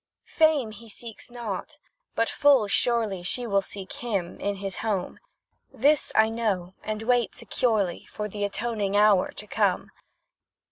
Fame he seeks not but full surely She will seek him, in his home; This I know, and wait securely For the atoning hour to come.